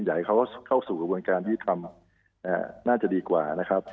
อย่าให้เขาเข้าสู่กับบนการที่ทำน่าจะดีกว่านะครับ